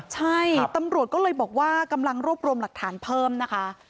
ใช่ตำรวจก็เลยบอกว่ากำลังรวบรวมหลักฐานเพิ่มนะคะ